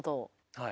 はい。